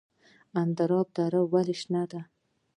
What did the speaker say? اندراب دره ولې شنه ده؟